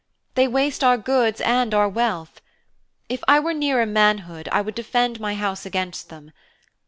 They waste our goods and our wealth. If I were nearer manhood I would defend my house against them.